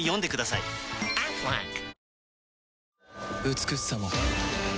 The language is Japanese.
美しさも